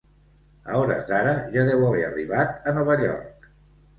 A hores d'ara ja deu haver arribat a Nova York.